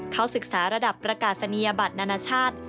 เขาศึกษาระดับประกาศนียบัตรนานาชาติ